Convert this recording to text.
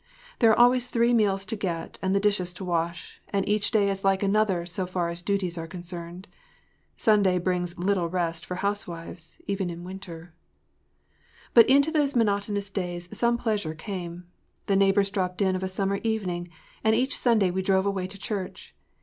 There are always three meals to get and the dishes to wash, and each day is like another so far as duties are concerned. Sunday brings little rest for housewives even in winter. BUT into those monotonous days some pleasure came. The neighbors dropped in of a summer evening, and each Sunday we drove away to church.